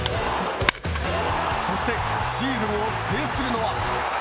そして、シーズンを制するのは？